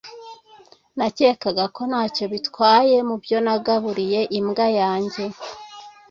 Nakekaga ko ntacyo bitwaye mubyo nagaburiye imbwa yanjye